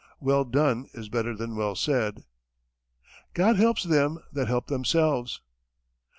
Well done is better than well said. God helps them that help themselves.